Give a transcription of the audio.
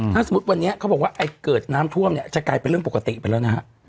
ถ้าสมมุติวันนี้เขาบอกว่าไอ้เกิดน้ำท่วมเนี่ยจะกลายเป็นเรื่องปกติไปแล้วนะฮะ